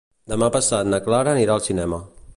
Demà passat na Clara anirà al cinema.